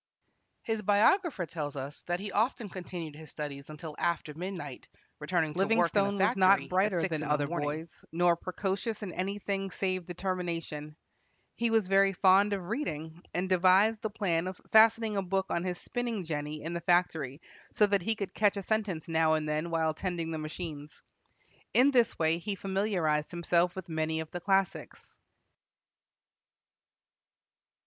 His biographer tells us that he often continued his studies until after midnight, returning to work in the factory at six in the morning. Livingstone was not brighter than other boys, nor precocious in anything save determination. He was very fond of reading, and devised the plan of fastening a book on his spinning jenny in the factory so that he could catch a sentence now and then while tending the machines. In this way he familiarized himself with many of the classics.